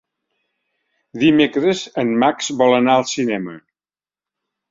Dimecres en Max vol anar al cinema.